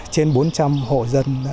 trên bốn trăm linh hộ dân